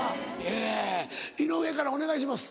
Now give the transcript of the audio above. え井上からお願いします。